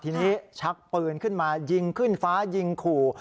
ทีนี้ชักปืนขึ้นมายิงขึ้นฟ้ายิงขู่